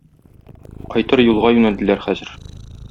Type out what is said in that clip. Кайтыр юлга юнәлделәр хәзер.